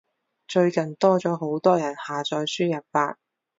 最近多咗好多人下載輸入法